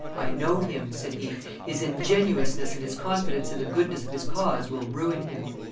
"I know him," said he; "his ingenuousness and his confidence in the goodness of his cause will ruin him."